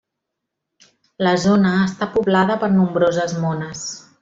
La zona està poblada per nombroses mones.